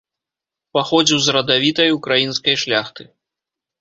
Паходзіў з радавітай украінскай шляхты.